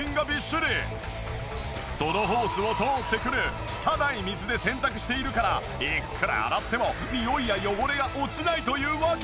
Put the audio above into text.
そのホースを通ってくる汚い水で洗濯しているからいくら洗ってもニオイや汚れが落ちないというわけ。